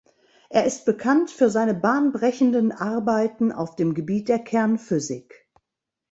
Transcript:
Er ist bekannt für seine bahnbrechenden Arbeiten auf dem Gebiet der Kernphysik.